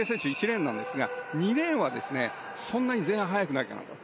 １レーンなんですが２レーンはそんなに前半速くないかなと。